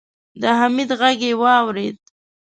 د حميد غږ يې واورېد.